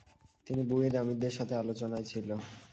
তিনি বুয়িদ আমিরদের সাথে আলোচনায় ছিল।